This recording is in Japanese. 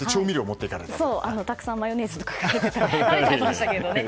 たくさんマヨネーズとかかけちゃいましたけどね。